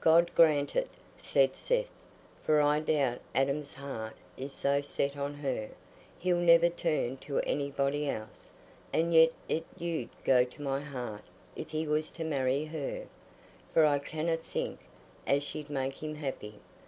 "God grant it," said Seth. "For I doubt Adam's heart is so set on her, he'll never turn to anybody else; and yet it 'ud go to my heart if he was to marry her, for I canna think as she'd make him happy.